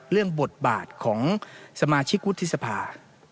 เรื่องบทบาทของสมาชิกวุฒิสภา